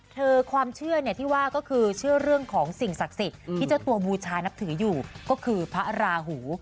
ความเชื่อเนี่ยที่ว่าก็คือเชื่อเรื่องของสิ่งศักดิ์สิทธิ์ที่เจ้าตัวบูชานับถืออยู่ก็คือพระราหู